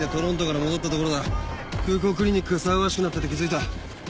空港クリニックが騒がしくなってて気付いた。